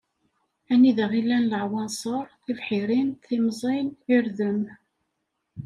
Anida i llan laɛwanṣer, tibḥirin, timẓin, irden.